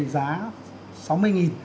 thì giá sáu mươi